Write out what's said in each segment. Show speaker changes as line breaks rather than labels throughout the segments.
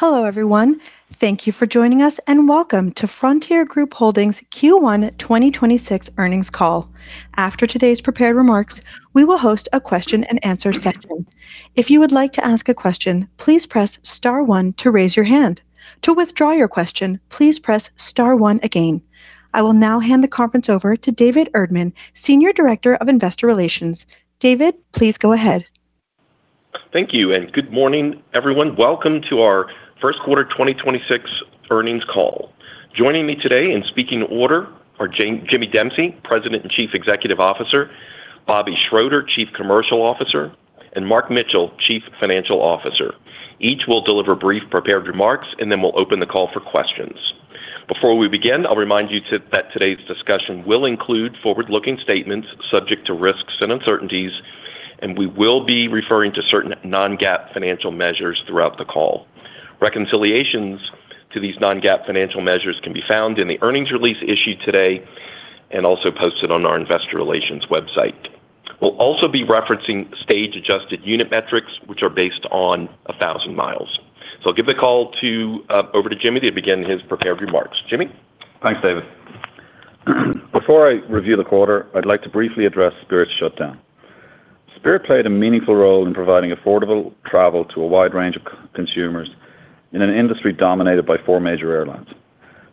Hello, everyone. Thank you for joining us, and welcome to Frontier Group Holdings' Q1 2026 earnings call. After today's prepared remarks, we will host a question-and-answer session. If you would like to ask a question, please press star one to raise your hand. To withdraw your question, press star one again. I will now hand the conference over to David Erdman, Senior Director of Investor Relations. David, please go ahead.
Thank you. Good morning, everyone. Welcome to our first quarter 2026 earnings call. Joining me today in speaking order are Jimmy Dempsey, President and Chief Executive Officer, Bobby Schroeder, Chief Commercial Officer, and Mark Mitchell, Chief Financial Officer. Each will deliver brief prepared remarks. Then we'll open the call for questions. Before we begin, I'll remind you that today's discussion will include forward-looking statements subject to risks and uncertainties. We will be referring to certain non-GAAP financial measures throughout the call. Reconciliations to these non-GAAP financial measures can be found in the earnings release issued today and also posted on our investor relations website. We'll also be referencing stage-length adjusted unit metrics, which are based on 1,000 miles. I'll give the call over to Jimmy to begin his prepared remarks. Jimmy.
Thanks, David. Before I review the quarter, I'd like to briefly address Spirit's shutdown. Spirit played a meaningful role in providing affordable travel to a wide range of consumers in an industry dominated by four major airlines.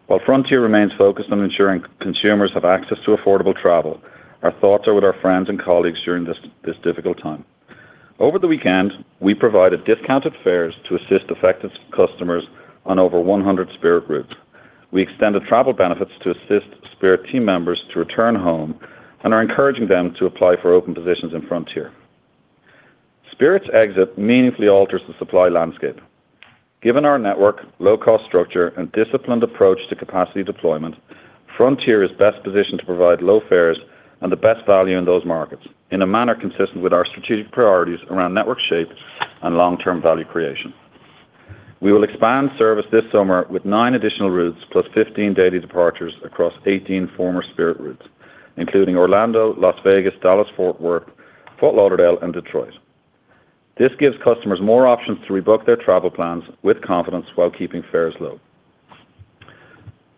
While Frontier remains focused on ensuring consumers have access to affordable travel, our thoughts are with our friends and colleagues during this difficult time. Over the weekend, we provided discounted fares to assist affected customers on over 100 Spirit routes. We extended travel benefits to assist Spirit team members to return home and are encouraging them to apply for open positions in Frontier. Spirit's exit meaningfully alters the supply landscape. Given our network, low-cost structure, and disciplined approach to capacity deployment, Frontier is best positioned to provide low fares and the best value in those markets in a manner consistent with our strategic priorities around network shape and long-term value creation. We will expand service this summer with nine additional routes plus 15 daily departures across 18 former Spirit routes, including Orlando, Las Vegas, Dallas, Fort Worth, Fort Lauderdale, and Detroit. This gives customers more options to rebook their travel plans with confidence while keeping fares low.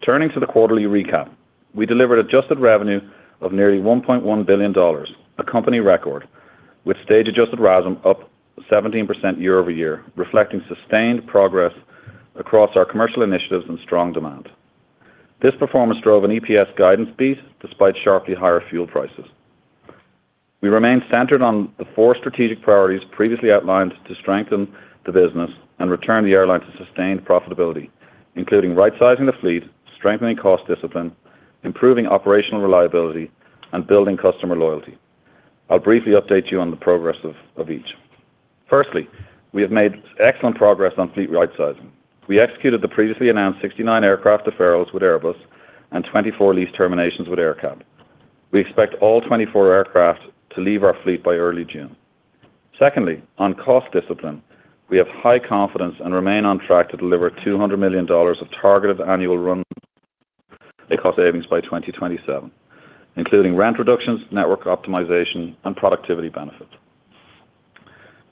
Turning to the quarterly recap, we delivered adjusted revenue of nearly $1.1 billion, a company record, with stage-adjusted RASM up 17% year-over-year, reflecting sustained progress across our commercial initiatives and strong demand. This performance drove an EPS guidance beat despite sharply higher fuel prices. We remain centered on the four strategic priorities previously outlined to strengthen the business and return the airline to sustained profitability, including rightsizing the fleet, strengthening cost discipline, improving operational reliability, and building customer loyalty. I'll briefly update you on the progress of each. Firstly, we have made excellent progress on fleet rightsizing. We executed the previously announced 69 aircraft deferrals with Airbus and 24 lease terminations with AerCap. We expect all 24 aircraft to leave our fleet by early June. Secondly, on cost discipline, we have high confidence and remain on track to deliver $200 million of targeted annual run cost savings by 2027, including rent reductions, network optimization, and productivity benefits.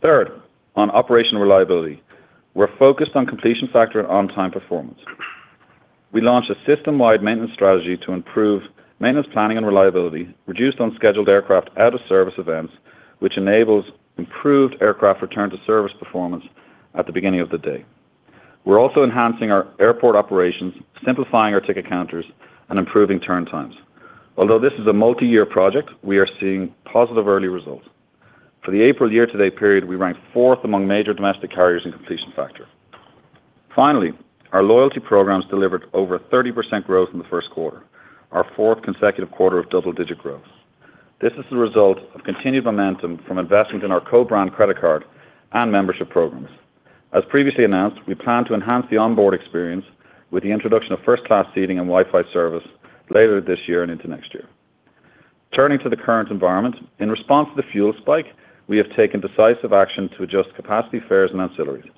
Third, on operational reliability, we're focused on completion factor and on-time performance. We launched a system-wide maintenance strategy to improve maintenance planning and reliability, reduced unscheduled aircraft out-of-service events, which enables improved aircraft return to service performance at the beginning of the day. We're also enhancing our airport operations, simplifying our ticket counters, and improving turn times. Although this is a multi-year project, we are seeing positive early results. For the April year-to-date period, we ranked fourth among major domestic carriers in completion factor. Finally, our loyalty programs delivered over 30% growth in the 1st quarter, our 4th consecutive quarter of double-digit growth. This is the result of continued momentum from investments in our co-brand credit card and membership programs. As previously announced, we plan to enhance the onboard experience with the introduction of first class seating and Wi-Fi service later this year and into next year. Turning to the current environment, in response to the fuel spike, we have taken decisive action to adjust capacity fares and ancillaries.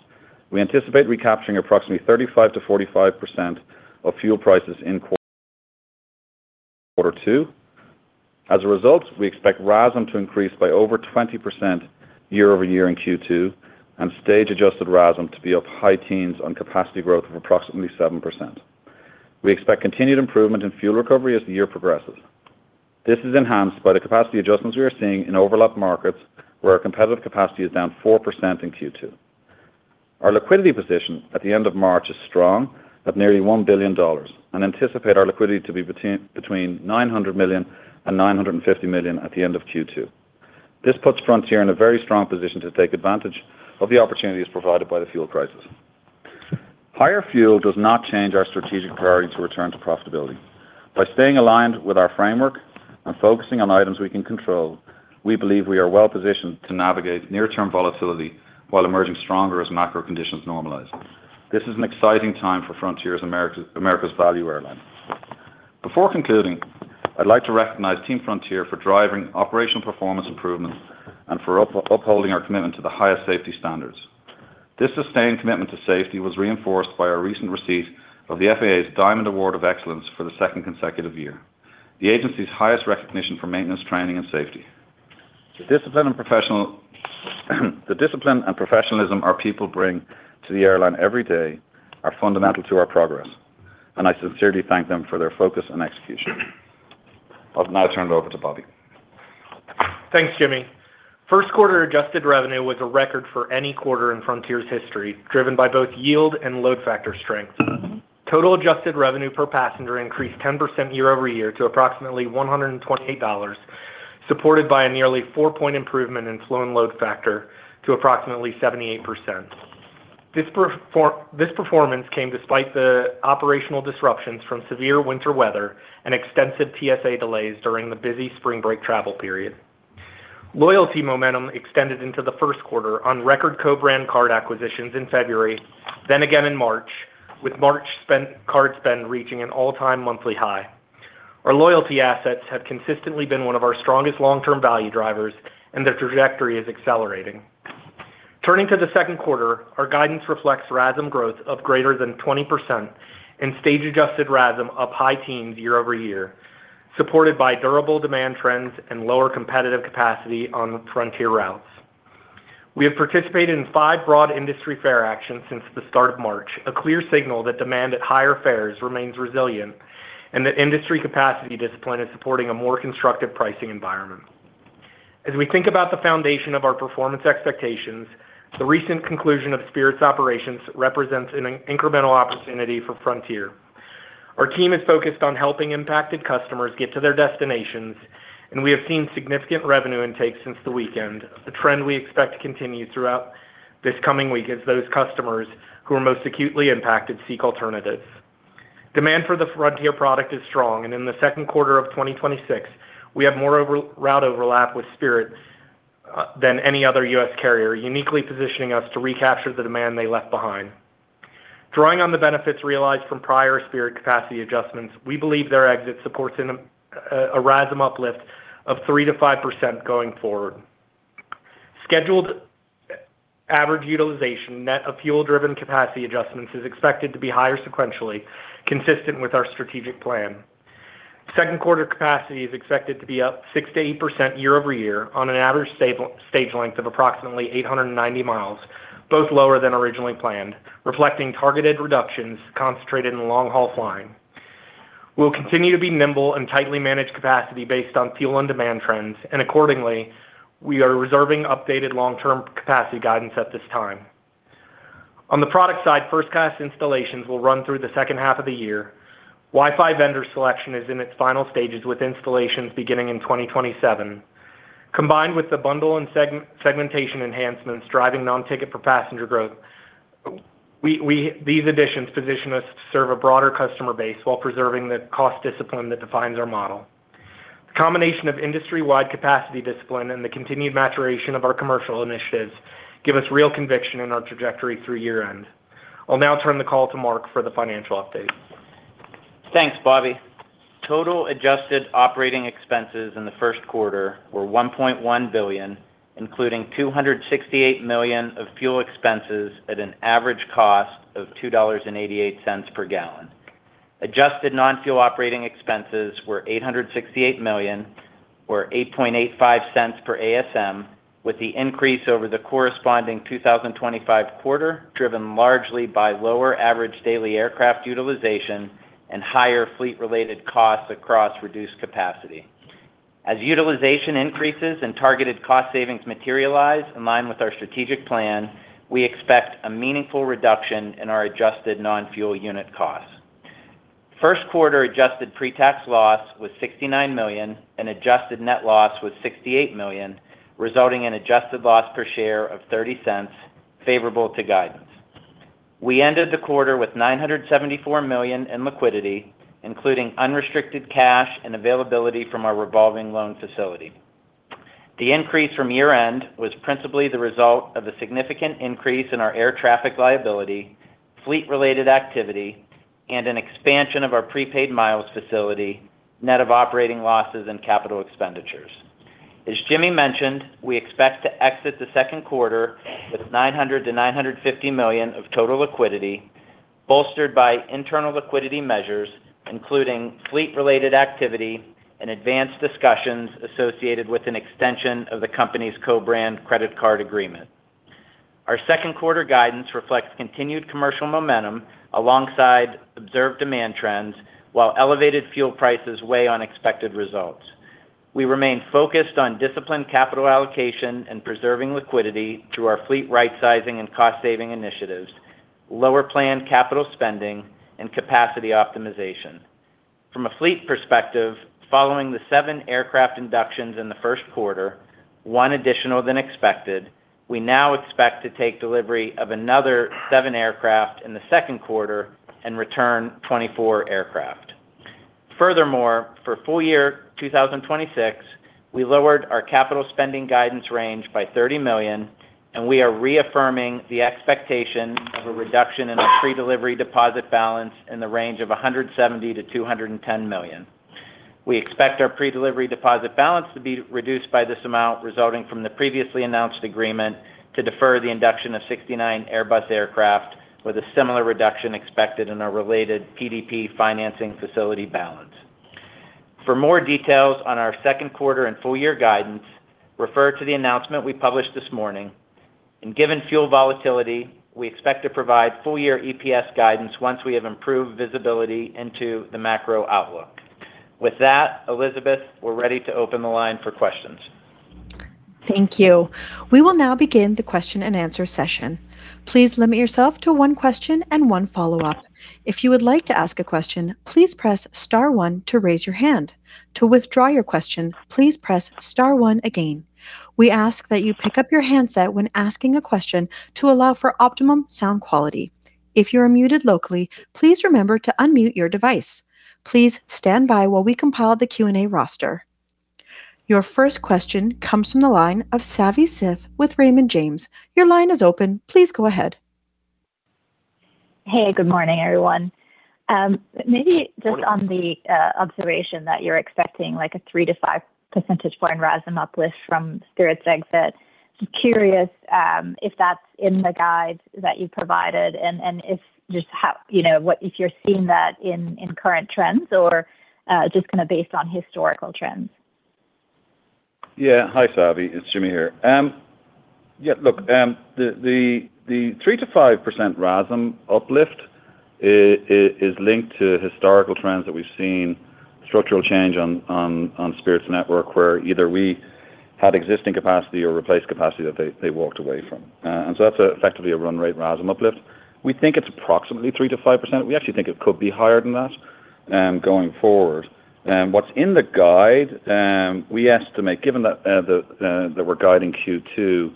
We anticipate recapturing approximately 35%-45% of fuel prices in quarter two. As a result, we expect RASM to increase by over 20% year-over-year in Q2 and stage adjusted RASM to be up high teens on capacity growth of approximately 7%. We expect continued improvement in fuel recovery as the year progresses. This is enhanced by the capacity adjustments we are seeing in overlap markets where our competitive capacity is down 4% in Q2. Our liquidity position at the end of March is strong at nearly $1 billion and anticipate our liquidity to be between $900 million and $950 million at the end of Q2. This puts Frontier in a very strong position to take advantage of the opportunities provided by the fuel crisis. Higher fuel does not change our strategic priority to return to profitability. By staying aligned with our framework and focusing on items we can control, we believe we are well-positioned to navigate near-term volatility while emerging stronger as macro conditions normalize. This is an exciting time for Frontier as America's value airline. Before concluding, I'd like to recognize Team Frontier for driving operational performance improvements and for upholding our commitment to the highest safety standards. This sustained commitment to safety was reinforced by our recent receipt of the FAA's Diamond Award of Excellence for the second consecutive year, the agency's highest recognition for maintenance, training, and safety. The discipline and professionalism our people bring to the airline every day are fundamental to our progress, and I sincerely thank them for their focus and execution. I'll now turn it over to Bobby.
Thanks, Jimmy. First quarter adjusted revenue was a record for any quarter in Frontier's history, driven by both yield and load factor strength. Total adjusted revenue per passenger increased 10% year-over-year to approximately $128, supported by a nearly 4-point improvement in flown load factor to approximately 78%. This performance came despite the operational disruptions from severe winter weather and extensive TSA delays during the busy spring break travel period. Loyalty momentum extended into the first quarter on record co-brand card acquisitions in February, then again in March, with March card spend reaching an all-time monthly high. Our loyalty assets have consistently been one of our strongest long-term value drivers, and their trajectory is accelerating. Turning to the second quarter, our guidance reflects RASM growth of greater than 20% and stage-adjusted RASM up high teens year-over-year, supported by durable demand trends and lower competitive capacity on Frontier routes. We have participated in five broad industry fare actions since the start of March, a clear signal that demand at higher fares remains resilient and that industry capacity discipline is supporting a more constructive pricing environment. As we think about the foundation of our performance expectations, the recent conclusion of Spirit's operations represents an incremental opportunity for Frontier. Our team is focused on helping impacted customers get to their destinations. We have seen significant revenue intake since the weekend, a trend we expect to continue throughout this coming week as those customers who are most acutely impacted seek alternatives. Demand for the Frontier product is strong. In the second quarter of 2026, we have more route overlap with Spirit than any other U.S. carrier, uniquely positioning us to recapture the demand they left behind. Drawing on the benefits realized from prior Spirit capacity adjustments, we believe their exit supports a RASM uplift of 3%-5% going forward. Scheduled average utilization, net of fuel-driven capacity adjustments, is expected to be higher sequentially, consistent with our strategic plan. Second quarter capacity is expected to be up 6%-8% year-over-year on an average stage length of approximately 890 miles, both lower than originally planned, reflecting targeted reductions concentrated in long-haul flying. We'll continue to be nimble and tightly manage capacity based on fuel and demand trends, and accordingly, we are reserving updated long-term capacity guidance at this time. On the product side, first-class installations will run through the second half of the year. Wi-Fi vendor selection is in its final stages, with installations beginning in 2027. Combined with the bundle and segmentation enhancements driving non-ticket for passenger growth, we these additions position us to serve a broader customer base while preserving the cost discipline that defines our model. The combination of industry-wide capacity discipline and the continued maturation of our commercial initiatives give us real conviction in our trajectory through year-end. I'll now turn the call to Mark for the financial update.
Thanks, Bobby. Total adjusted operating expenses in the first quarter were $1.1 billion, including $268 million of fuel expenses at an average cost of $2.88 per gallon. Adjusted non-fuel operating expenses were $868 million or $0.0885 per ASM, with the increase over the corresponding 2025 quarter driven largely by lower average daily aircraft utilization and higher fleet-related costs across reduced capacity. As utilization increases and targeted cost savings materialize in line with our strategic plan, we expect a meaningful reduction in our adjusted non-fuel unit costs. First quarter adjusted pre-tax loss was $69 million and adjusted net loss was $68 million, resulting in adjusted loss per share of $0.30 favorable to guidance. We ended the quarter with $974 million in liquidity, including unrestricted cash and availability from our revolving loan facility. The increase from year-end was principally the result of a significant increase in our air traffic liability, fleet-related activity, and an expansion of our prepaid miles facility, net of operating losses and capital expenditures. As Jimmy mentioned, we expect to exit the second quarter with $900 million-$950 million of total liquidity, bolstered by internal liquidity measures, including fleet-related activity and advanced discussions associated with an extension of the company's co-brand credit card agreement. Our second quarter guidance reflects continued commercial momentum alongside observed demand trends, while elevated fuel prices weigh on expected results. We remain focused on disciplined capital allocation and preserving liquidity through our fleet rightsizing and cost-saving initiatives, lower planned capital spending, and capacity optimization. From a fleet perspective, following the seven aircraft inductions in the first quarter, 1 additional than expected, we now expect to take delivery of another seven aircraft in the second quarter and return 24 aircraft. Furthermore, for full year 2026, we lowered our capital spending guidance range by $30 million, and we are reaffirming the expectation of a reduction in our pre-delivery deposit balance in the range of $170 million-$210 million. We expect our pre-delivery deposit balance to be reduced by this amount resulting from the previously announced agreement to defer the induction of 69 Airbus aircraft, with a similar reduction expected in our related PDP financing facility balance. For more details on our second quarter and full year guidance, refer to the announcement we published this morning. Given fuel volatility, we expect to provide full year EPS guidance once we have improved visibility into the macro outlook. With that, Elizabeth, we're ready to open the line for questions.
Thank you. We will now begin the question-and-answer session. Please limit yourself to one question and one follow-up. If you would like to ask a question, please press star one to raise your hand. To withdraw your question, please press star one again. We ask that you pick up your handset when asking a question to allow for optimum sound quality. If you are muted locally, please remember to unmute your device. Please stand by while we compile the Q&A roster. Your first question comes from the line of Savi Syth with Raymond James. Your line is open. Please go ahead.
Hey, good morning, everyone. Maybe just on the observation that you're expecting like a 3-5 percentage point RASM uplift from Spirit's exit. Curious, if that's in the guide that you provided and if just how, you know, what if you're seeing that in current trends or just kinda based on historical trends?
Hi, Savi. It's Jimmy here. the 3%-5% RASM uplift is linked to historical trends that we've seen structural change on Spirit's network, where either we had existing capacity or replaced capacity that they walked away from. That's effectively a run rate RASM uplift. We think it's approximately 3%-5%. We actually think it could be higher than that going forward. What's in the guide, we estimate given that the we're guiding Q2, and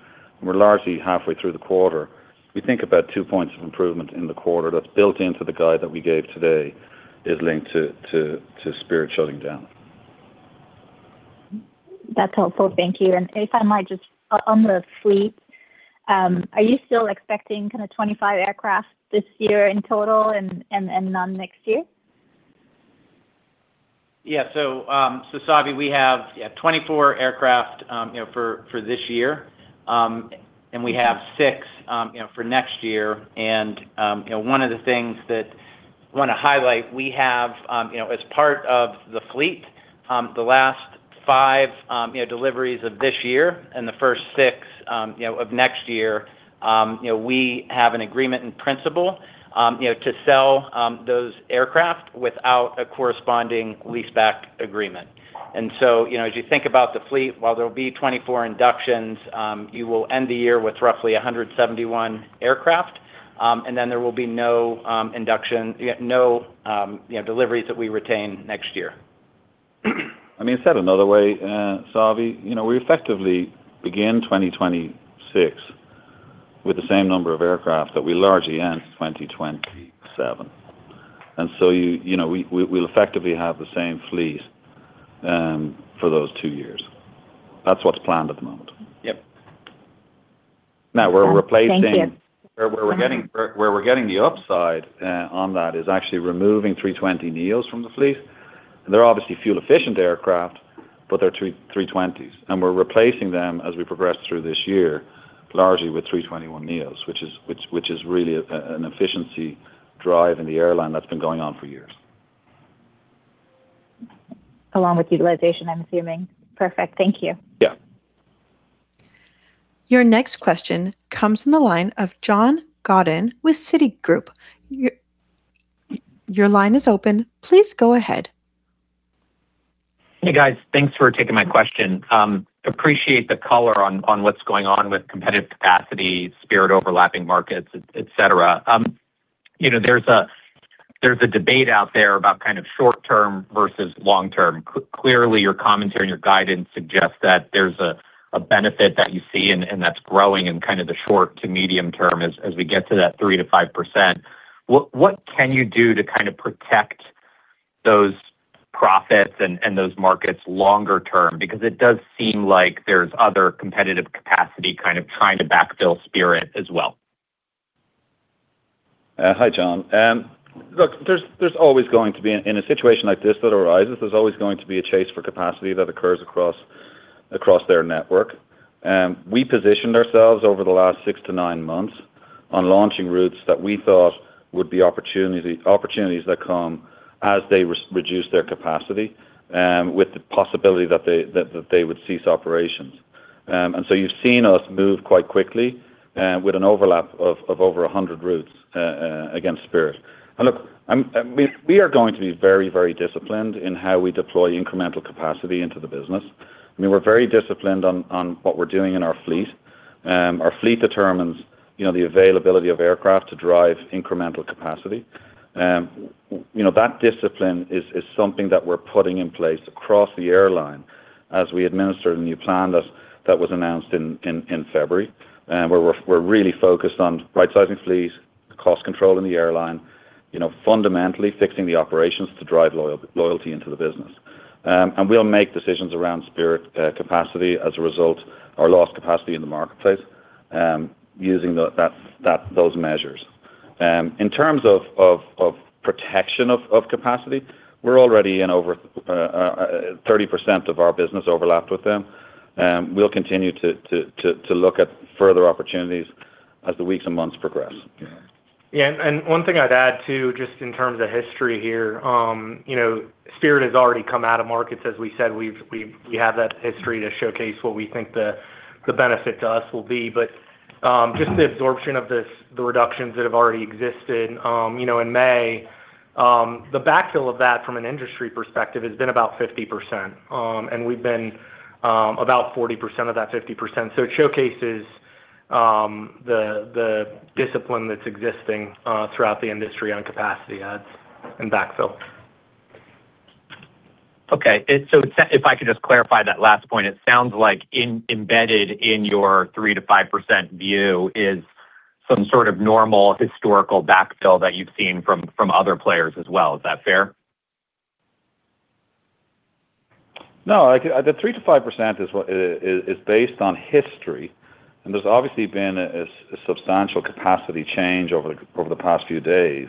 we're largely halfway through the quarter, we think about 2 points of improvement in the quarter that's built into the guide that we gave today is linked to Spirit shutting down.
That's helpful. Thank you. If I might just on the fleet, are you still expecting kind of 25 aircraft this year in total and none next year?
Savi, we have 24 aircraft for this year, and we have six for next year. One of the things that wanna highlight, we have as part of the fleet, the last five deliveries of this year and the first six of next year. We have an agreement in principle, to sell those aircraft without a corresponding leaseback agreement. As you think about the fleet, while there will be 24 inductions, you will end the year with roughly 171 aircraft, and then there will be no deliveries that we retain next year.
I mean, said another way, Savi, you know, we effectively begin 2026 with the same number of aircraft that we largely end 2027. You know, we'll effectively have the same fleet for those two years. That's what's planned at the moment.
Yep.
Now we're replacing-
Thank you.
where we're getting the upside on that is actually removing A320neos from the fleet. They're obviously fuel efficient aircraft, but they're 320s, and we're replacing them as we progress through this year, largely with A321neos, which is really an efficiency drive in the airline that's been going on for years.
Along with utilization, I'm assuming. Perfect. Thank you.
Yeah.
Your next question comes from the line of John Godyn with Citigroup. Your line is open. Please go ahead.
Hey, guys. Thanks for taking my question. Appreciate the color on what's going on with competitive capacity, Spirit overlapping markets, et cetera. You know, there's a debate out there about kind of short term versus long term. Clearly, your commentary and your guidance suggests that there's a benefit that you see and that's growing in kind of the short to medium term as we get to that 3%-5%. What can you do to kind of protect those profits and those markets longer term? It does seem like there's other competitive capacity kind of trying to backfill Spirit as well.
Hi, John. Look, there's always going to be in a situation like this that arises, there's always going to be a chase for capacity that occurs across their network. We positioned ourselves over the last 6-9 months on launching routes that we thought would be opportunities that come as they reduce their capacity, with the possibility that they would cease operations. You've seen us move quite quickly with an overlap of over 100 routes against Spirit. Look, I'm, we are going to be very, very disciplined in how we deploy incremental capacity into the business. I mean, we're very disciplined on what we're doing in our fleet. Our fleet determines, you know, the availability of aircraft to drive incremental capacity. You know, that discipline is something that we're putting in place across the airline as we administer the new plan that was announced in February, where we're really focused on right-sizing fleets, cost control in the airline, you know, fundamentally fixing the operations to drive loyalty into the business. And we'll make decisions around Spirit capacity as a result or lost capacity in the marketplace, using those measures. In terms of protection of capacity, we're already in over 30% of our business overlapped with them. We'll continue to look at further opportunities as the weeks and months progress.
One thing I'd add too, just in terms of history here, you know, Spirit has already come out of markets. As we said, we've we have that history to showcase what we think the benefit to us will be. Just the absorption of this, the reductions that have already existed, you know, in May, the backfill of that from an industry perspective has been about 50%. We've been about 40% of that 50%. It showcases the discipline that's existing throughout the industry on capacity adds and backfill.
Okay. If I could just clarify that last point, it sounds like embedded in your 3%-5% view is some sort of normal historical backfill that you've seen from other players as well. Is that fair?
No. Like, the 3%-5% is what is based on history, and there's obviously been a substantial capacity change over the past few days.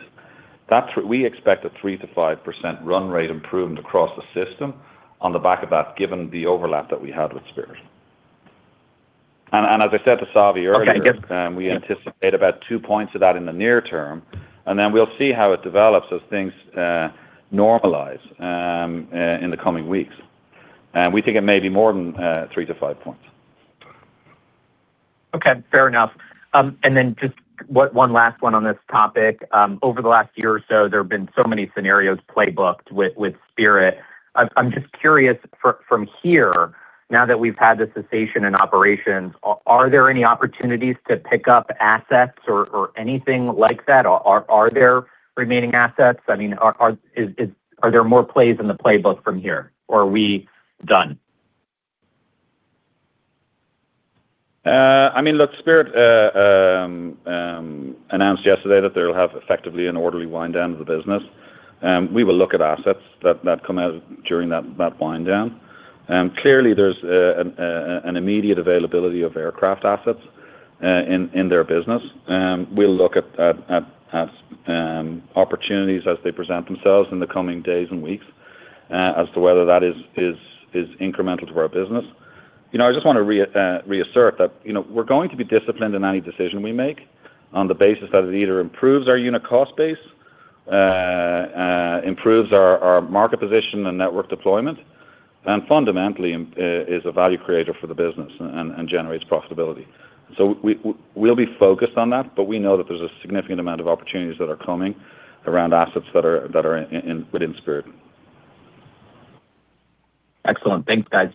That's what we expect a 3%-5% run rate improvement across the system on the back of that, given the overlap that we had with Spirit. As I said to Savi earlier.
Okay.
We anticipate about 2 points of that in the near term, and then we'll see how it develops as things normalize in the coming weeks. We think it may be more than 3-5 points.
Okay. Fair enough. Then just one last one on this topic. Over the last year or so, there have been so many scenarios playbooked with Spirit. I'm just curious from here, now that we've had the cessation in operations, are there any opportunities to pick up assets or anything like that? Are there remaining assets? I mean, are there more plays in the playbook from here, or are we done?
I mean, look, Spirit announced yesterday that they'll have effectively an orderly wind down of the business. We will look at assets that come out during that wind down. Clearly there's an immediate availability of aircraft assets in their business, and we'll look at opportunities as they present themselves in the coming days and weeks as to whether that is incremental to our business. You know, I just want to reassert that, you know, we're going to be disciplined in any decision we make on the basis that it either improves our unit cost base, improves our market position and network deployment, and fundamentally is a value creator for the business and generates profitability. We'll be focused on that, but we know that there's a significant amount of opportunities that are coming around assets that are within Spirit.
Excellent. Thanks, guys.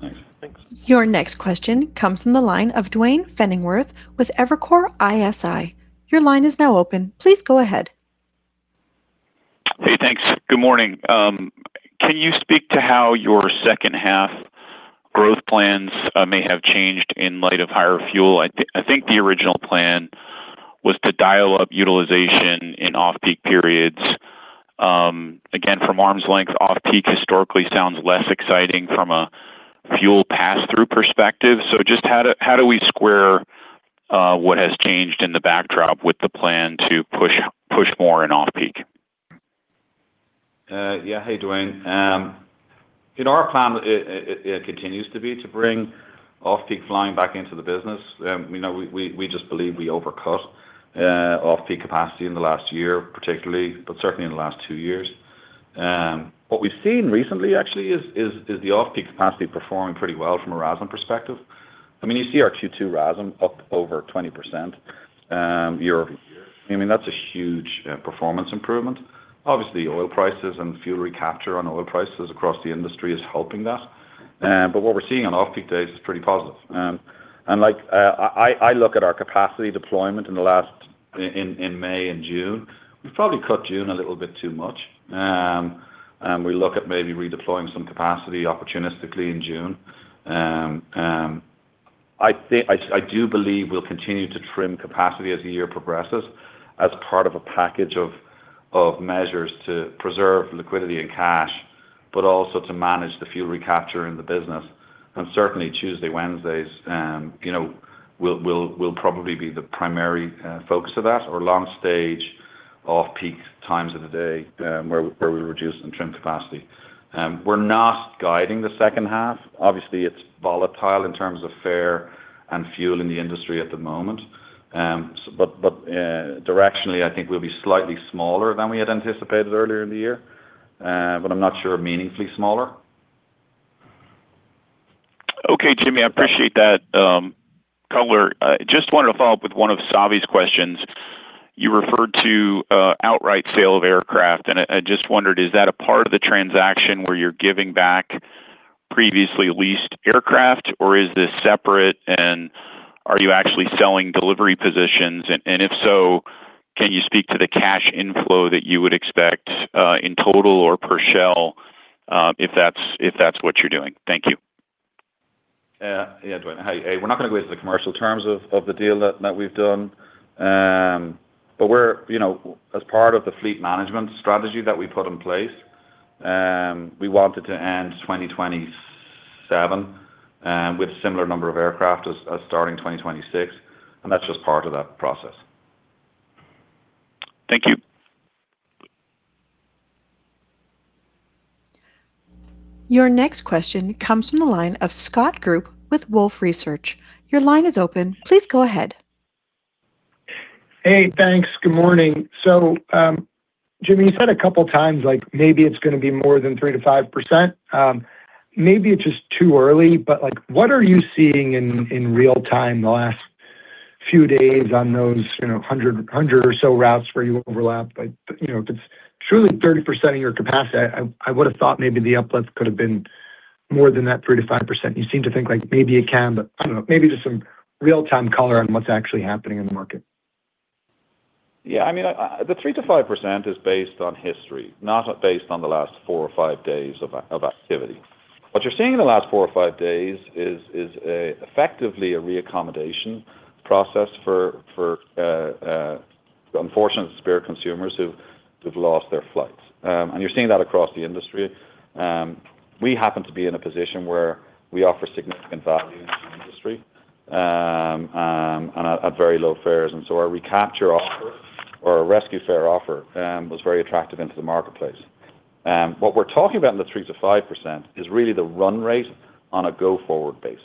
Thanks.
Thanks.
Your next question comes from the line of Duane Pfennigwerth with Evercore ISI. Your line is now open. Please go ahead.
Hey, thanks. Good morning. Can you speak to how your second half growth plans may have changed in light of higher fuel? I think the original plan was to dial up utilization in off-peak periods. Again, from arm's length, off-peak historically sounds less exciting from a fuel pass-through perspective. Just how do we square what has changed in the backdrop with the plan to push more in off-peak?
Yeah. Hey, Duane. You know, our plan it continues to be to bring off-peak flying back into the business. You know, we just believe we overcut off-peak capacity in the last year, particularly, but certainly in the last two years. What we've seen recently actually is the off-peak capacity performing pretty well from a RASM perspective. I mean, you see our Q2 RASM up over 20%, year-over-year. I mean, that's a huge performance improvement. Obviously, oil prices and fuel recapture on oil prices across the industry is helping that. What we're seeing on off-peak days is pretty positive. Like, I look at our capacity deployment in the last in May and June. We probably cut June a little bit too much. We look at maybe redeploying some capacity opportunistically in June. I do believe we'll continue to trim capacity as the year progresses as part of a package of measures to preserve liquidity and cash, but also to manage the fuel recapture in the business. Certainly Tuesdays, Wednesdays, you know, will probably be the primary focus of that or long stage off-peak times of the day, where we reduce and trim capacity. We're not guiding the second half. Obviously, it's volatile in terms of fare and fuel in the industry at the moment. Directionally, I think we'll be slightly smaller than we had anticipated earlier in the year, but I'm not sure meaningfully smaller.
Okay, Jimmy, I appreciate that color, I just wanted to follow up with one of Savi's questions. You referred to outright sale of aircraft, and I just wondered, is that a part of the transaction where you're giving back previously leased aircraft, or is this separate, and are you actually selling delivery positions? If so, can you speak to the cash inflow that you would expect in total or per shell, if that's what you're doing? Thank you.
Yeah, Duane. Hey. We're not gonna go into the commercial terms of the deal that we've done. We're, you know, as part of the fleet management strategy that we put in place, we wanted to end 2027 with similar number of aircraft as starting 2026, and that's just part of that process.
Thank you.
Your next question comes from the line of Scott Group with Wolfe Research. Your line is open. Please go ahead.
Hey, thanks. Good morning. Jimmy, you said a couple of times, like, maybe it's gonna be more than 3%-5%. Maybe it's just too early, but, like, what are you seeing in real time the last few days on those, you know, 100 or so routes where you overlap? Like, you know, if it's truly 30% of your capacity, I would have thought maybe the uplifts could have been more than that 3%-5%. You seem to think, like, maybe it can, but I don't know. Maybe just some real-time color on what's actually happening in the market.
I mean, the 3%-5% is based on history, not based on the last four or five days of activity. What you're seeing in the last four or five days is effectively a re-accommodation process for unfortunate spare consumers who've lost their flights. You're seeing that across the industry. We happen to be in a position where we offer significant value in the industry and at very low fares. Our recapture offer or our rescue fare offer was very attractive into the marketplace. What we're talking about in the 3%-5% is really the run rate on a go-forward basis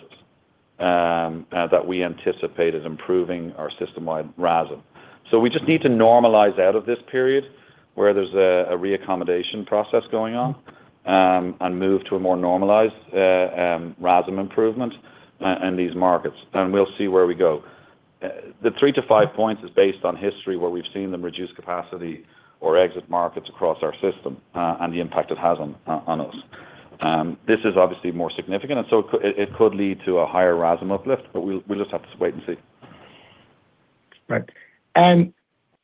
that we anticipate is improving our system-wide RASM. We just need to normalize out of this period where there's a re-accommodation process going on, and move to a more normalized RASM improvement in these markets. We'll see where we go. The 3-5 points is based on history where we've seen them reduce capacity or exit markets across our system, and the impact it has on us. This is obviously more significant, it could lead to a higher RASM uplift, but we'll just have to wait and see.
Right.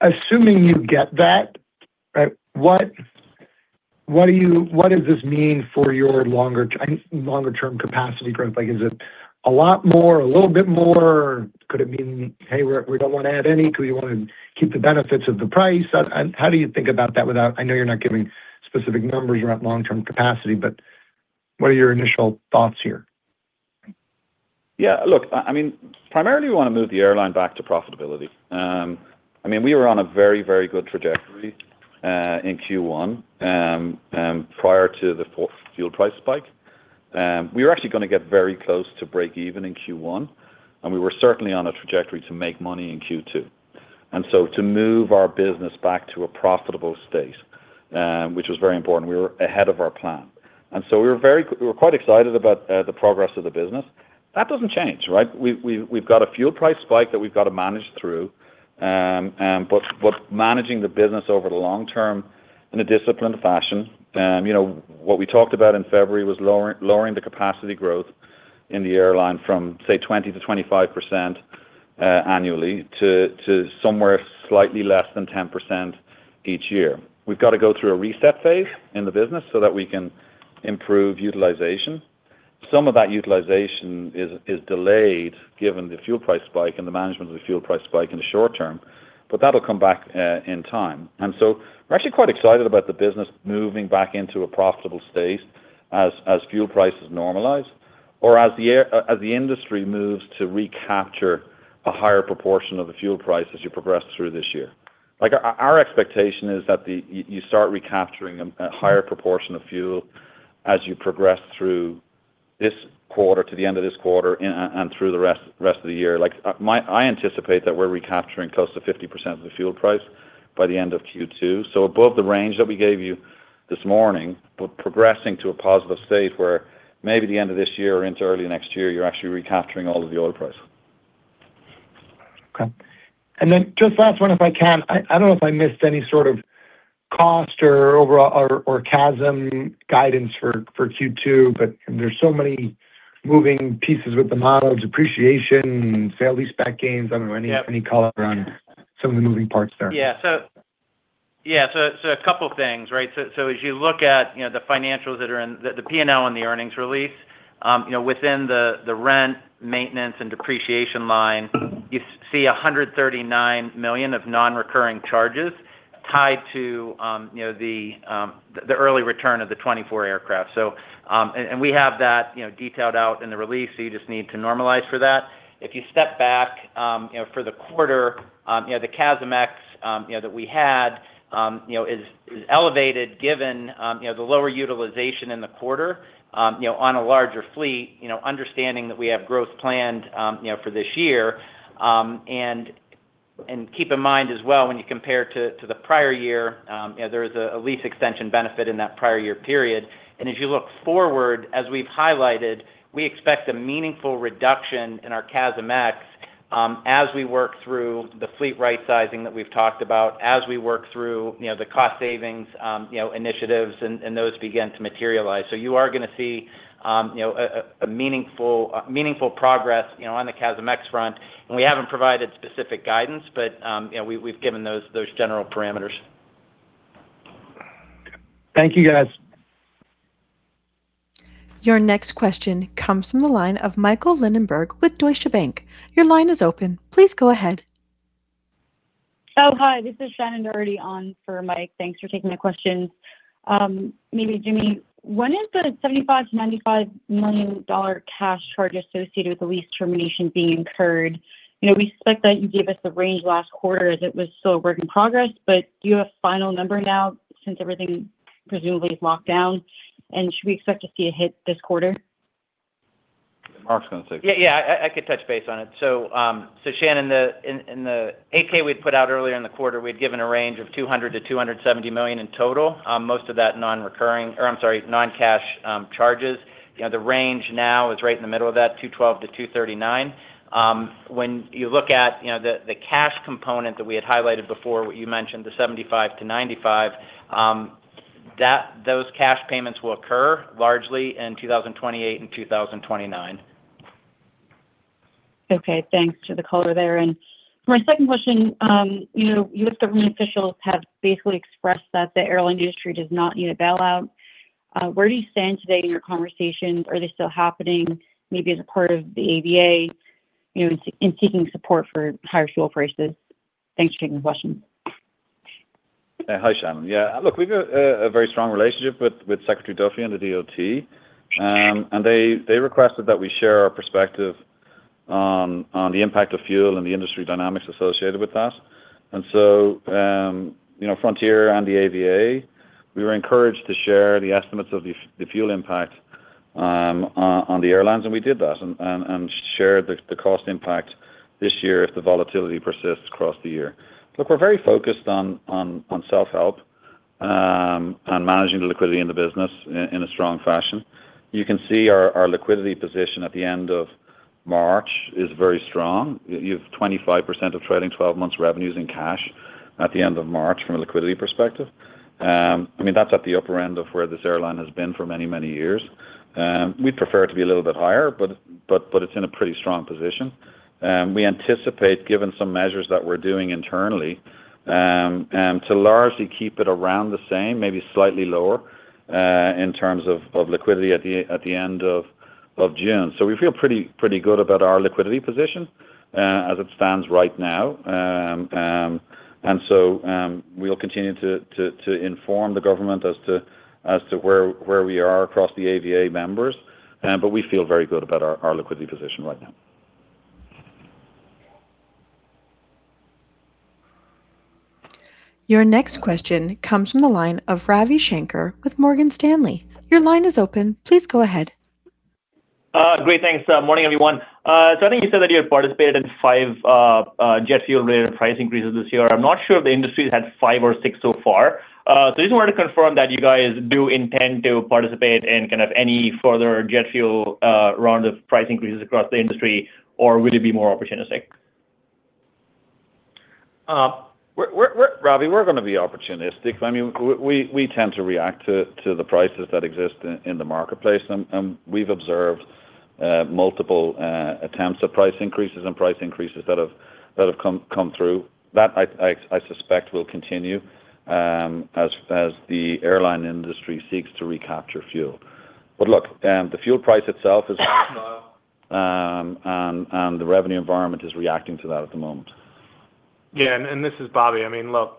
Assuming you get that, right, what does this mean for your longer term capacity growth? Like, is it a lot more, a little bit more? Could it mean, hey, we don't want to add any, so we want to keep the benefits of the price? How do you think about that without I know you're not giving specific numbers around long-term capacity, but what are your initial thoughts here?
I mean, primarily we want to move the airline back to profitability. I mean, we were on a very, very good trajectory in Q1 prior to the fuel price spike. We were actually gonna get very close to break even in Q1, and we were certainly on a trajectory to make money in Q2, to move our business back to a profitable state, which was very important. We were ahead of our plan. We were quite excited about the progress of the business. That doesn't change, right? We've got a fuel price spike that we've got to manage through, but managing the business over the long term in a disciplined fashion. You know, what we talked about in February was lowering the capacity growth in the airline from, say, 20%-25% annually to somewhere slightly less than 10% each year. We've got to go through a reset phase in the business so that we can improve utilization. Some of that utilization is delayed given the fuel price spike and the management of the fuel price spike in the short term, but that'll come back in time. We're actually quite excited about the business moving back into a profitable state as fuel prices normalize or as the industry moves to recapture a higher proportion of the fuel price as you progress through this year. Like, our expectation is that you start recapturing a higher proportion of fuel as you progress through this quarter to the end of this quarter and through the rest of the year. Like, I anticipate that we're recapturing close to 50% of the fuel price by the end of Q2. Above the range that we gave you this morning, but progressing to a positive state where maybe the end of this year or into early next year, you're actually recapturing all of the oil price.
Okay. Just last one, if I can. I don't know if I missed any sort of cost or overall or CASM guidance for Q2, but there's so many moving pieces with the models, depreciation, sale, leaseback gains.
Yep
any color around some of the moving parts there.
Yeah. A couple of things, right? As you look at, you know, the financials that are in the P&L and the earnings release, you know, within the rent, maintenance, and depreciation line, you see $139 million of non-recurring charges tied to, you know, the early return of the 24 aircraft. And we have that, you know, detailed out in the release, you just need to normalize for that. If you step back, you know, for the quarter, you know, the CASM X, you know, that we had, you know, is elevated given, you know, the lower utilization in the quarter, you know, on a larger fleet, you know, understanding that we have growth planned, you know, for this year. Keep in mind as well, when you compare to the prior year, you know, there is a lease extension benefit in that prior year period. If you look forward, as we've highlighted, we expect a meaningful reduction in our CASM X, as we work through the fleet right sizing that we've talked about, as we work through, you know, the cost savings initiatives and those begin to materialize. You are gonna see, you know, a meaningful progress, you know, on the CASM X front. We haven't provided specific guidance, but, you know, we've given those general parameters.
Thank you, guys.
Your next question comes from the line of Michael Linenberg with Deutsche Bank. Your line is open. Please go ahead.
Oh, hi. This is Shannon Doherty on for Mike. Thanks for taking my questions. Maybe Jimmy, when is the $75 million-$95 million cash charge associated with the lease termination being incurred? You know, we expect that you gave us the range last quarter as it was still a work in progress, but do you have a final number now since everything presumably is locked down? Should we expect to see a hit this quarter?
Mark's gonna say.
I could touch base on it. Shannon Doherty, in the AK we'd put out earlier in the quarter, we'd given a range of $200 million-$270 million in total, most of that non-cash charges. The range now is right in the middle of that, $212 million-$239 million. When you look at the cash component that we had highlighted before, what you mentioned, the $75 million-$95 million, those cash payments will occur largely in 2028 and 2029.
Okay, thanks to the color there. For my second question, you know, U.S. government officials have basically expressed that the airline industry does not need a bailout. Where do you stand today in your conversations? Are they still happening maybe as a part of the AVA, you know, in seeking support for higher fuel prices? Thanks for taking the question.
Hi, Shannon. Yeah, look, we've got a very strong relationship with Secretary Duffy and the DOT. They requested that we share our perspective on the impact of fuel and the industry dynamics associated with that. You know, Frontier and the AVA, we were encouraged to share the estimates of the fuel impact on the airlines, and we did that and shared the cost impact this year if the volatility persists across the year. Look, we're very focused on self-help and managing the liquidity in the business in a strong fashion. You can see our liquidity position at the end of March is very strong. You've 25% of trading 12 months revenues in cash at the end of March from a liquidity perspective. I mean, that's at the upper end of where this airline has been for many years. We'd prefer it to be a little bit higher, but it's in a pretty strong position. We anticipate, given some measures that we're doing internally, to largely keep it around the same, maybe slightly lower, in terms of liquidity at the end of June. We feel pretty good about our liquidity position as it stands right now. We'll continue to inform the government as to where we are across the AVA members. We feel very good about our liquidity position right now.
Your next question comes from the line of Ravi Shanker with Morgan Stanley. Your line is open. Please go ahead.
Great. Thanks. Morning, everyone. I think you said that you had participated in five jet fuel rate price increases this year. I'm not sure if the industry has had five or six so far. Just wanted to confirm that you guys do intend to participate in kind of any further jet fuel round of price increases across the industry, or will it be more opportunistic?
Ravi, we're gonna be opportunistic. I mean, we tend to react to the prices that exist in the marketplace. We've observed multiple attempts at price increases and price increases that have come through. That I suspect will continue as the airline industry seeks to recapture fuel. Look, the fuel price itself is volatile, and the revenue environment is reacting to that at the moment.
Yeah, and this is Bobby. I mean, look,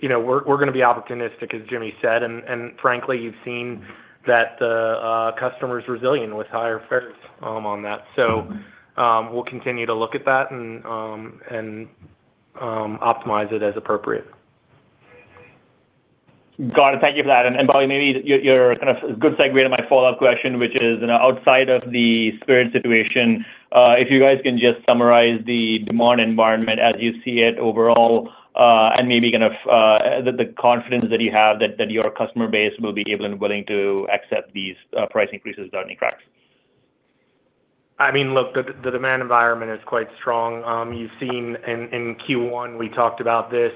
you know, we're gonna be opportunistic, as Jimmy said, and frankly, you've seen that the customer's resilient with higher fares on that. We'll continue to look at that and optimize it as appropriate.
Got it. Thank you for that. Bobby, maybe you're kind of a good segue to my follow-up question, which is, you know, outside of the Spirit situation, if you guys can just summarize the demand environment as you see it overall, and maybe kind of the confidence that you have that your customer base will be able and willing to accept these price increases without any cracks.
I mean, look, the demand environment is quite strong. You've seen in Q1 we talked about this.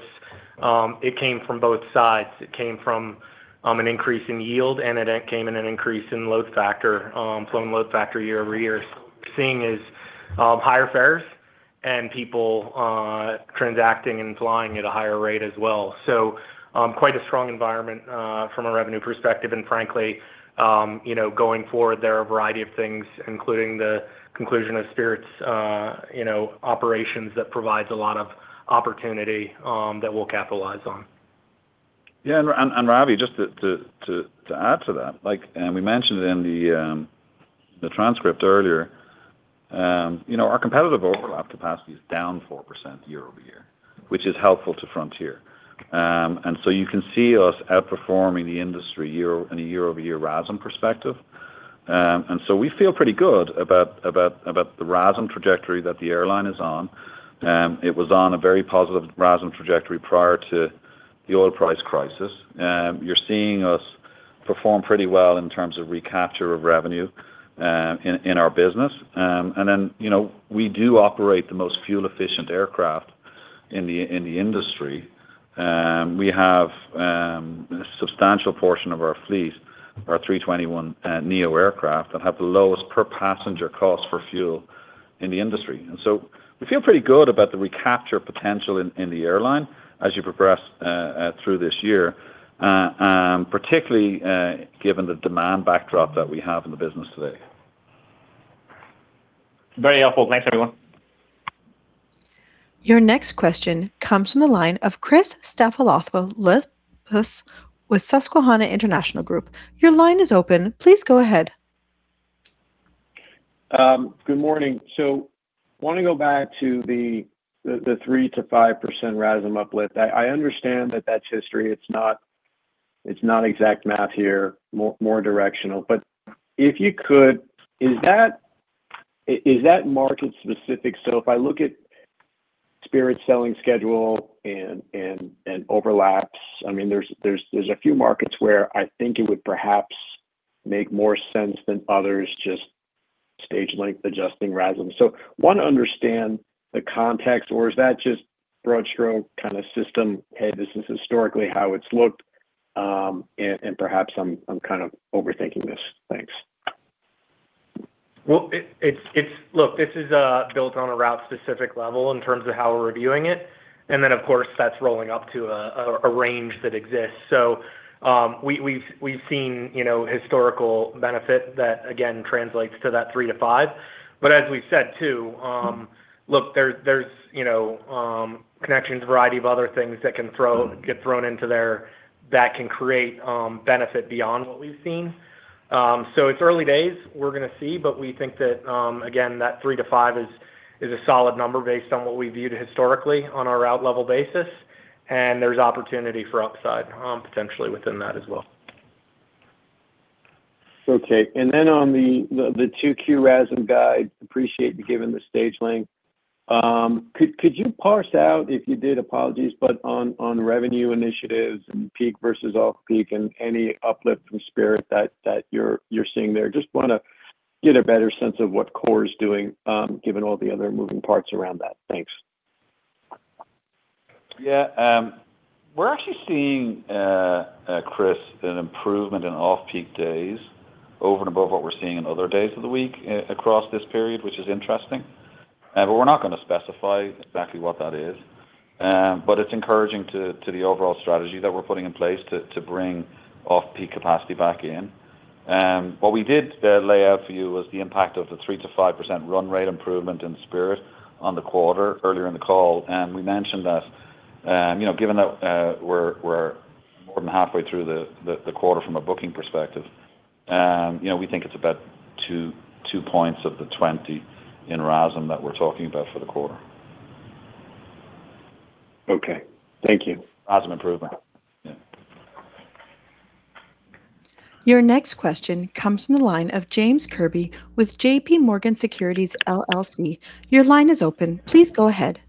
It came from both sides. It came from an increase in yield, and it came in an increase in load factor, flown load factor year-over-year. Seeing is higher fares and people transacting and flying at a higher rate as well. Quite a strong environment from a revenue perspective. Frankly, you know, going forward, there are a variety of things, including the conclusion of Spirit's, you know, operations that provides a lot of opportunity that we'll capitalize on.
Yeah, Ravi, just to add to that, like, and we mentioned it in the transcript earlier, you know, our competitive overlap capacity is down 4% year-over-year, which is helpful to Frontier. You can see us outperforming the industry in a year-over-year RASM perspective. We feel pretty good about the RASM trajectory that the airline is on. It was on a very positive RASM trajectory prior to the oil price crisis. You're seeing us perform pretty well in terms of recapture of revenue in our business. You know, we do operate the most fuel-efficient aircraft in the industry. We have a substantial portion of our fleet are A321neo aircraft that have the lowest per passenger cost for fuel in the industry. We feel pretty good about the recapture potential in the airline as you progress through this year, particularly given the demand backdrop that we have in the business today.
Very helpful. Thanks, everyone.
Your next question comes from the line of Christopher Stathoulopoulos with Susquehanna International Group. Your line is open. Please go ahead.
Good morning. Wanna go back to the 3%-5% RASM uplift. I understand that that's history, it's not exact math here, more directional. If you could, is that market specific? If I look at Spirit's selling schedule and overlaps, I mean, there's a few markets where I think it would perhaps make more sense than others just stage length adjusting RASM. Wanna understand the context, or is that just broad stroke kinda system, "Hey, this is historically how it's looked," and perhaps I'm kind of overthinking this. Thanks.
Well, it's Look, this is built on a route specific level in terms of how we're reviewing it, and then of course that's rolling up to a range that exists. we've seen, you know, historical benefit that again translates to that 3%-5%. As we've said too, look, there's, you know, connections, variety of other things that can get thrown into there that can create benefit beyond what we've seen. It's early days, we're gonna see, we think that again, that 3%-5% is a solid number based on what we viewed historically on a route level basis, and there's opportunity for upside potentially within that as well.
Okay. Then on the 2Q RASM guide, appreciate you giving the stage length. Could you parse out, if you did, apologies, but on revenue initiatives and peak versus off-peak and any uplift from Spirit that you're seeing there? Just wanna get a better sense of what core is doing, given all the other moving parts around that. Thanks.
Yeah. We're actually seeing, Chris, an improvement in off-peak days over and above what we're seeing in other days of the week across this period, which is interesting. We're not gonna specify exactly what that is. It's encouraging to the overall strategy that we're putting in place to bring off-peak capacity back in. What we did lay out for you was the impact of the 3%-5% run rate improvement in Spirit on the quarter earlier in the call. We mentioned that, you know, given that we're more than halfway through the quarter from a booking perspective, you know, we think it's about 2 points of the 20 in RASM that we're talking about for the quarter.
Okay. Thank you.
RASM improvement. Yeah.
Your next question comes from the line of Jamie Baker with JPMorgan Securities LLC. Your line is open. Please go ahead.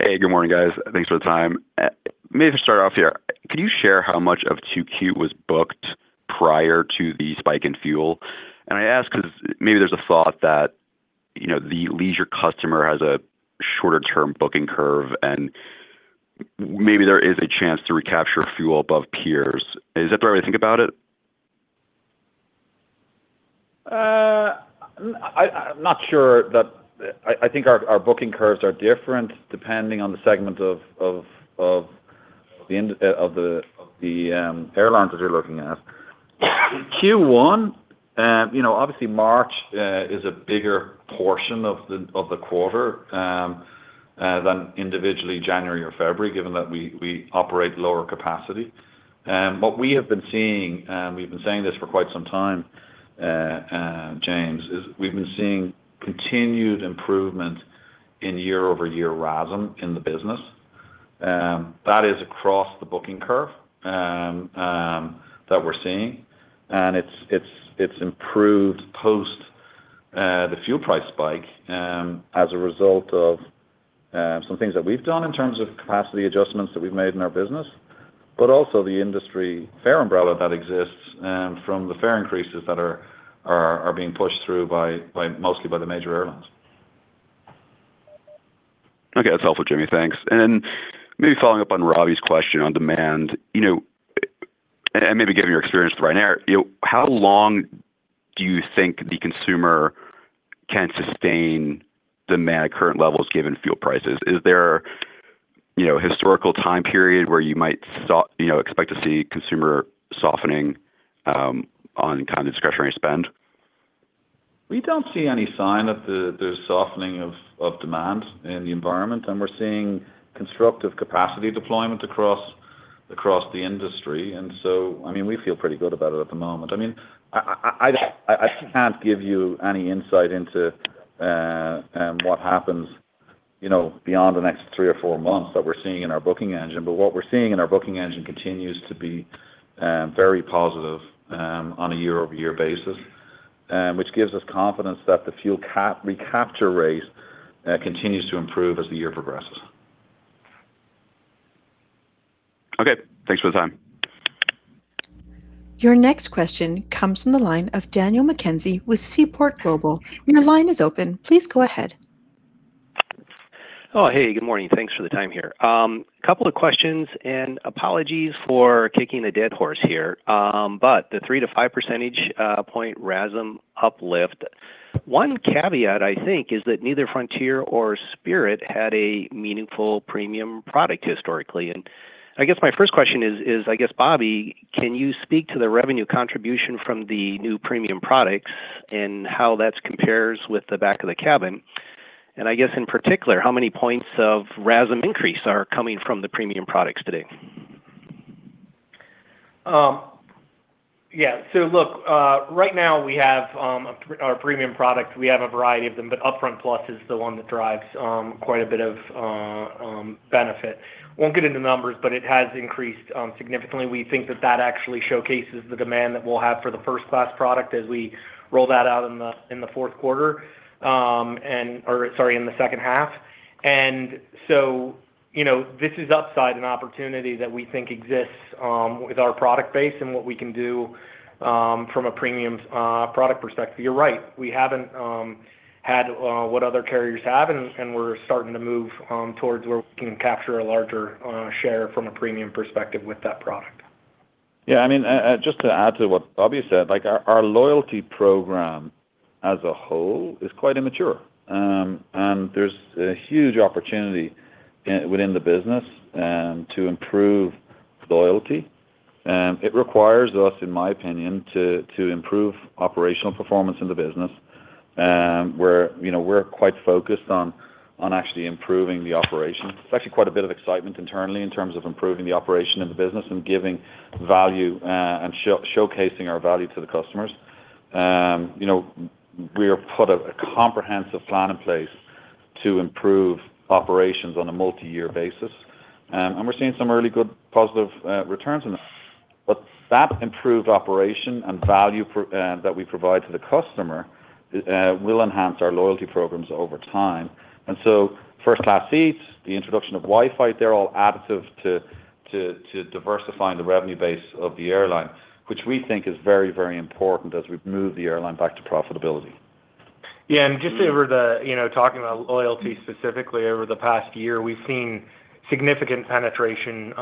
Hey, good morning, guys. Thanks for the time. Maybe to start off here, could you share how much of 2Q was booked prior to the spike in fuel? I ask 'cause maybe there's a thought that, you know, the leisure customer has a shorter term booking curve and maybe there is a chance to recapture fuel above peers. Is that the way to think about it?
I'm not sure that I think our booking curves are different depending on the segment of the end of the airlines that you're looking at. Q1, you know, obviously March is a bigger portion of the quarter than individually January or February, given that we operate lower capacity. What we have been seeing, and we've been saying this for quite some time, Jamie Baker, is we've been seeing continued improvement in year-over-year RASM in the business. That is across the booking curve that we're seeing. It's improved post the fuel price spike as a result of some things that we've done in terms of capacity adjustments that we've made in our business, but also the industry fare umbrella that exists from the fare increases that are being pushed through by mostly by the major airlines.
Okay. That's helpful, Jimmy, thanks. Maybe following up on Ravi's question on demand, you know, and maybe given your experience with Ryanair, you know, how long do you think the consumer can sustain demand at current levels given fuel prices? Is there, you know, a historical time period where you might expect to see consumer softening on kind of discretionary spend?
We don't see any sign of the softening of demand in the environment, and we're seeing constructive capacity deployment across the industry. I mean, we feel pretty good about it at the moment. I mean, I can't give you any insight into what happens, you know, beyond the next three or four months that we're seeing in our booking engine, but what we're seeing in our booking engine continues to be very positive on a year-over-year basis, which gives us confidence that the fuel recapture rate continues to improve as the year progresses.
Okay. Thanks for the time.
Your next question comes from the line of Daniel McKenzie with Seaport Global. Your line is open. Please go ahead.
Good morning. Thanks for the time here. Couple of questions, apologies for kicking a dead horse here. The 3-5 percentage point RASM uplift, one caveat I think is that neither Frontier or Spirit had a meaningful premium product historically. I guess my first question is, I guess, Bobby, can you speak to the revenue contribution from the new premium products and how that's compares with the back of the cabin? I guess in particular, how many points of RASM increase are coming from the premium products today?
Yeah. Look, right now we have our premium product. We have a variety of them, but UpFront Plus is the one that drives quite a bit of benefit. Won't get into numbers, but it has increased significantly. We think that that actually showcases the demand that we'll have for the first class product as we roll that out in the second half. You know, this is upside, an opportunity that we think exists with our product base and what we can do from a premium product perspective. You're right, we haven't had what other carriers have, and we're starting to move towards where we can capture a larger share from a premium perspective with that product.
Yeah, I mean, just to add to what Bobby said, like our loyalty program as a whole is quite immature. There's a huge opportunity within the business to improve loyalty. It requires us, in my opinion, to improve operational performance in the business. We're, you know, we're quite focused on actually improving the operation. There's actually quite a bit of excitement internally in terms of improving the operation of the business and giving value and showcasing our value to the customers. You know, we have put a comprehensive plan in place to improve operations on a multi-year basis. We're seeing some really good positive returns on it. That improved operation and value pro- that we provide to the customer will enhance our loyalty programs over time. First class seats, the introduction of Wi-Fi, they're all additive to diversifying the revenue base of the airline, which we think is very, very important as we move the airline back to profitability.
Just over the, you know, talking about loyalty specifically, over the past year, we've seen significant penetration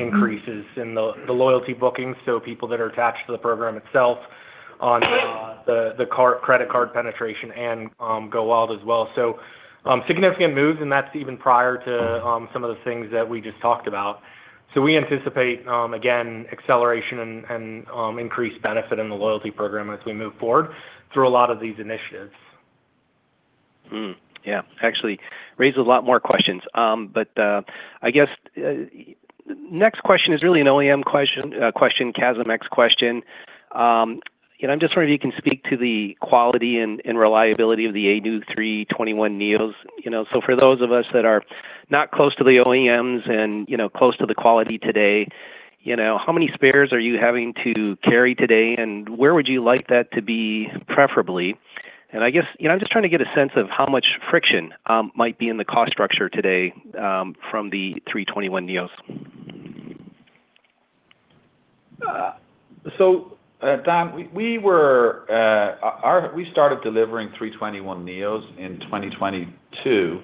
increases in the loyalty bookings, so people that are attached to the program itself on the credit card penetration and GoWild Pass as well. Significant moves, and that's even prior to some of the things that we just talked about. We anticipate again, acceleration and increased benefit in the loyalty program as we move forward through a lot of these initiatives.
Yeah. Actually raises a lot more questions. I guess, next question is really an OEM question, CASM X question. You know, I'm just wondering if you can speak to the quality and reliability of the A321neos. You know, for those of us that are not close to the OEMs and, you know, close to the quality today, you know, how many spares are you having to carry today, and where would you like that to be preferably? I guess, you know, I'm just trying to get a sense of how much friction might be in the cost structure today from the A321neos.
So Dan, we started delivering A321neos in 2022.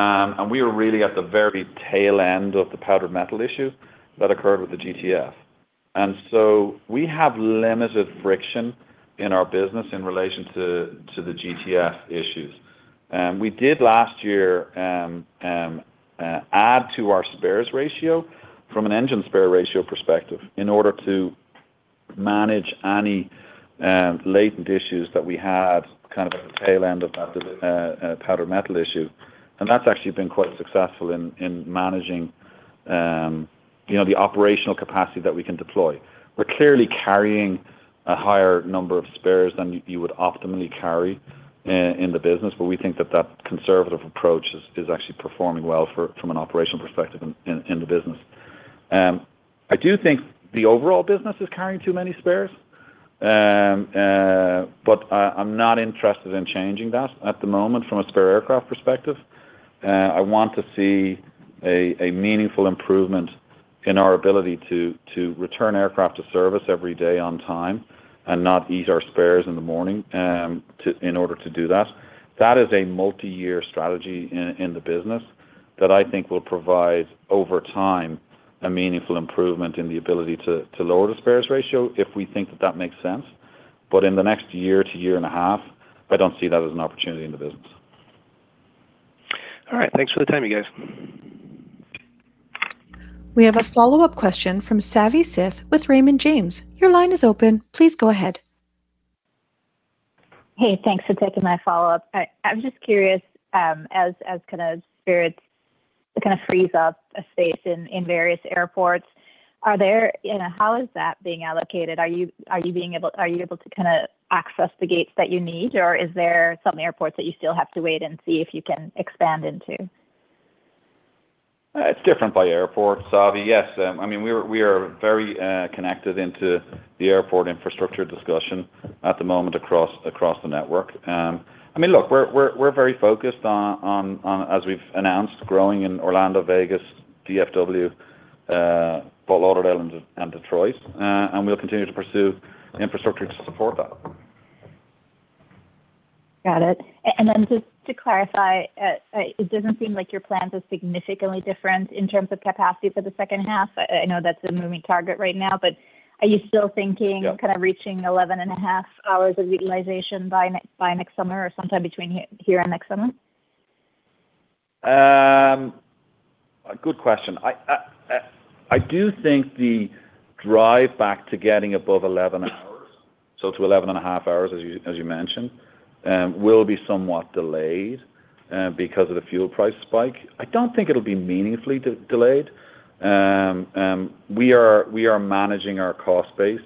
We were really at the very tail end of the powdered metal issue that occurred with the GTF. We have limited friction in our business in relation to the GTF issues. We did last year add to our spares ratio from an engine spare ratio perspective in order to manage any latent issues that we had kind of at the tail end of that powdered metal issue, and that's actually been quite successful in managing, you know, the operational capacity that we can deploy. We're clearly carrying a higher number of spares than you would optimally carry in the business, but we think that that conservative approach is actually performing well from an operational perspective in the business. I do think the overall business is carrying too many spares. But I'm not interested in changing that at the moment from a spare aircraft perspective. I want to see a meaningful improvement in our ability to return aircraft to service every day on time and not eat our spares in the morning in order to do that. That is a multi-year strategy in the business that I think will provide, over time, a meaningful improvement in the ability to lower the spares ratio if we think that that makes sense. In the next year to year and a half, I don't see that as an opportunity in the business.
All right. Thanks for the time, you guys.
We have a follow-up question from Savi Syth with Raymond James. Your line is open. Please go ahead.
Hey, thanks for taking my follow-up. I'm just curious, as kind of Spirit's kind of freeze up, states in various airports, you know, how is that being allocated? Are you able to kinda access the gates that you need, or is there some airports that you still have to wait and see if you can expand into?
It's different by airport, Savi. Yes, I mean, we are very connected into the airport infrastructure discussion at the moment across the network. I mean, look, we're very focused on, as we've announced, growing in Orlando, Vegas, DFW, Fort Lauderdale, and Detroit. We'll continue to pursue infrastructure to support that.
Got it. Then just to clarify, it doesn't seem like your plans are significantly different in terms of capacity for the second half. I know that's a moving target right now, are you still thinking?
Yeah
kind of reaching 11 and a half hours of utilization by next, by next summer or sometime between here and next summer?
A good question. I do think the drive back to getting above 11 hours, so to 11 and a half hours as you mentioned, will be somewhat delayed because of the fuel price spike. I don't think it'll be meaningfully delayed. We are managing our cost base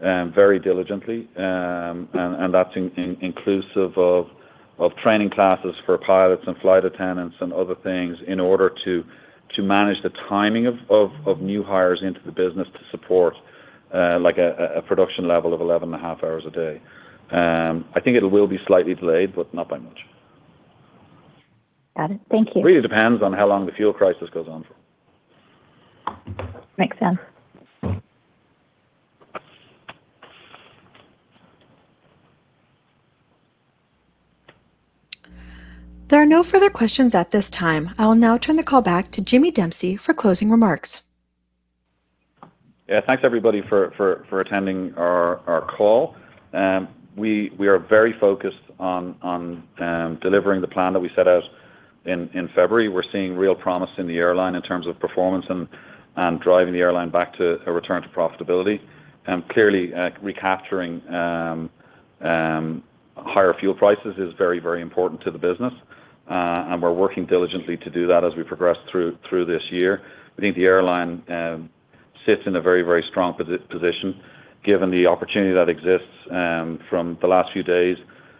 very diligently. And that's inclusive of training classes for pilots and flight attendants and other things in order to manage the timing of new hires into the business to support like a production level of 11 and a half hours a day. I think it will be slightly delayed, but not by much.
Got it. Thank you.
Really depends on how long the fuel crisis goes on for.
Makes sense.
There are no further questions at this time. I will now turn the call back to Jimmy Dempsey for closing remarks.
Yeah. Thanks everybody for attending our call. We are very focused on delivering the plan that we set out in February. We're seeing real promise in the airline in terms of performance and driving the airline back to a return to profitability. Clearly, recapturing higher fuel prices is very important to the business, and we're working diligently to do that as we progress through this year. I think the airline sits in a very strong position given the opportunity that exists from the last few days,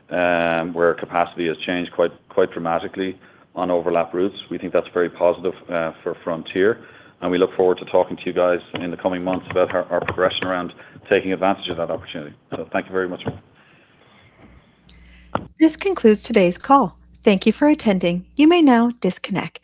where capacity has changed quite dramatically on overlap routes. We think that's very positive for Frontier, and we look forward to talking to you guys in the coming months about our progression around taking advantage of that opportunity. Thank you very much.
This concludes today's call. Thank you for attending. You may now disconnect.